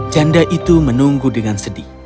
janda itu menunggu dengan sedih